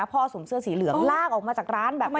สวมเสื้อสีเหลืองลากออกมาจากร้านแบบนี้